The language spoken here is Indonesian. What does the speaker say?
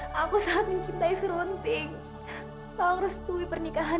sampai jumpa di video selanjutnya